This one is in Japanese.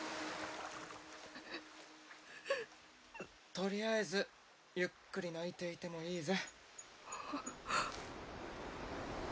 とりあえずゆっくり泣いていてもいいぜ。